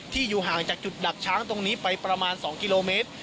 อยู่ห่างจากจุดดักช้างตรงนี้ไปประมาณ๒กิโลเมตร